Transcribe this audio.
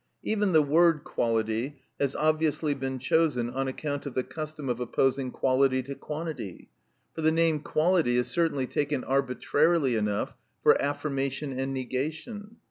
Even the word quality has obviously been chosen on account of the custom of opposing quality to quantity; for the name quality is certainly taken arbitrarily enough for affirmation and negation.